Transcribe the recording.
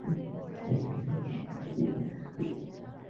保定伯。